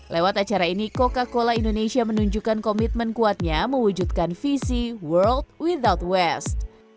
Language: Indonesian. lewat acara ini coca cola indonesia menunjukkan komitmen kuatnya mewujudkan visi world without west